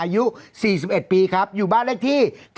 อายุ๔๑ปีครับอยู่บ้านเลขที่๙